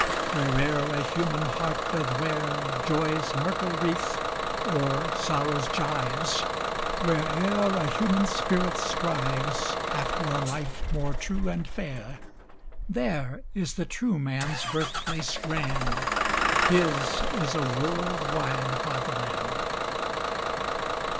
Where'er a human heart doth wear Joy's myrtle wreath or sorrow's gyves, Where'er a human spirit strives After a life more true and fair, There is the true man's birthplace grand, His is a world wide fatherland!